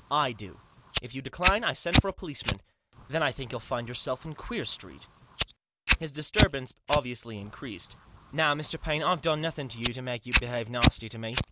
"I do. If you decline I send for a policeman. Then I think you'll find yourself in Queer Street." His disturbance obviously increased. " Now, Mr. Paine, I've done nothing to you to make you behave nasty to me.